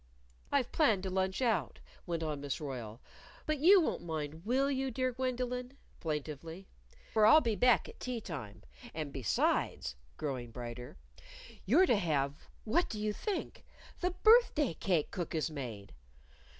"I've planned to lunch out," went on Miss Royle. "But you won't mind, will you, dear Gwendolyn?" plaintively. "For I'll be back at tea time. And besides" growing brighter "you're to have what do you think! the birthday cake Cook has made."